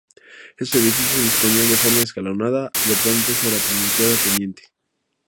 Estos edificios se disponían de forma escalonada adaptándose a la pronunciada pendiente.